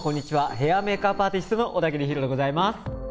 ヘア＆メイクアップアーティストの小田切ヒロでございます。